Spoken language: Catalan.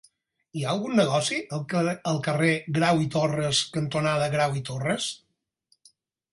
Hi ha algun negoci al carrer Grau i Torras cantonada Grau i Torras?